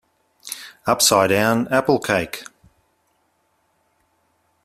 Upside down apple cake.